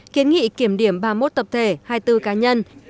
kiến nghị kiểm điểm ba mươi một tập thể hai mươi bốn cá nhân